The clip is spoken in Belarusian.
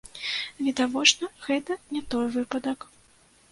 Відавочна, гэта не той выпадак.